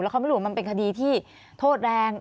เขาไม่รู้ว่ามันเป็นคดีที่โทษแรง